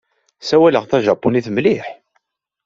Ssawaleɣ tajapunit mliḥ.